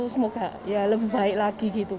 semoga ya lebih baik lagi gitu